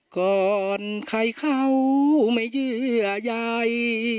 ก่อนใครเขาไม่เยื่อใย